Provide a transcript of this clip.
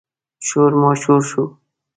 شور ماشور شو.